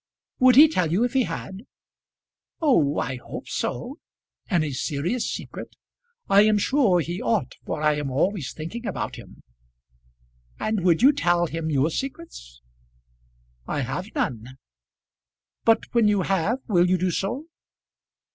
"Would he tell you if he had?" "Oh, I hope so; any serious secret. I am sure he ought, for I am always thinking about him." "And would you tell him your secrets?" "I have none." "But when you have, will you do so?"